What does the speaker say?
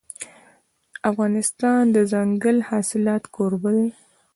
افغانستان د دځنګل حاصلات کوربه دی.